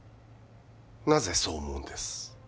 なぜそう思うんです？